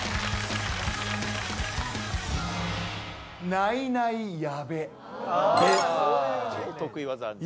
ナイナイ矢部です。